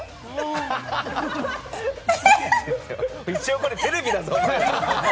一応これ、テレビだぞ！